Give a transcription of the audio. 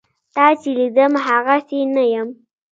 تا چې لیدم هغسې نه یم.